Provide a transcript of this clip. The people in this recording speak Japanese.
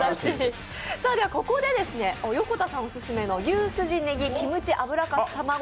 ここで横田さんオススメの牛すじネギキムチ油かす玉子